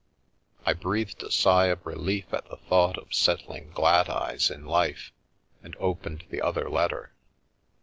I breathed a sigh of relief at the thought of settling Gladeyes in life, and opened the other letter.